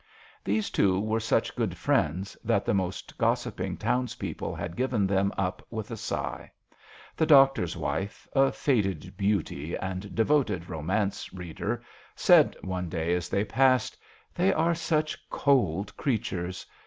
These two were such good friends that the most gossiping townspeople had given them up with a sigh. The doctor's wife, a faded beauty and devoted romance reader, said one day, as they passed, "They are such cold creatures."